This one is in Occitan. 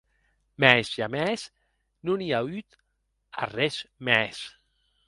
Mès jamès non i a auut arrés mès.